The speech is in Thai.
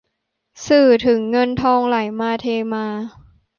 สื่อถึงเงินทองไหลมาเทมา